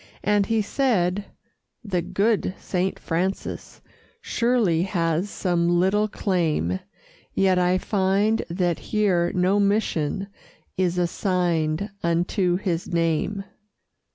And he said: "The good Saint Francis Surely has some little claim, Yet I find that here no mission Is assigned unto his name."